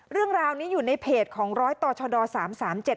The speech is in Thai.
เรื่องราวนี้อยู่ในเพจของร้อยต่อชดสามสามเจ็ด